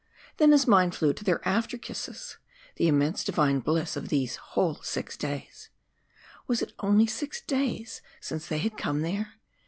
Then his mind flew to their after kisses, the immense divine bliss of these whole six days. Was it only six days since they had come there?